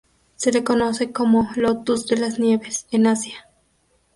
Se le conoce como "lotus de las nieves" en Asia.